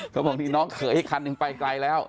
เขาบอกนี่น้องเคยให้คันไปไกลแล้ว